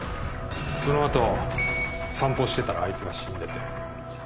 そのあと散歩してたらあいつが死んでて。